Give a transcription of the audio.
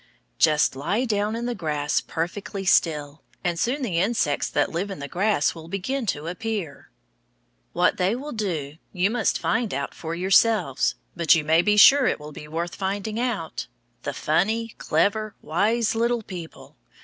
Just lie down in the grass perfectly still, and soon the insects that live in the grass will begin to appear. What they will do you must find out for yourselves; but you may be sure it will be worth finding out, the funny, clever, wise little people!